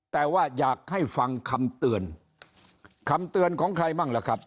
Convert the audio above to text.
แต่ว่าอยากให้ฟังคำเตือนคำเตือนของใครบ้างล่ะครับ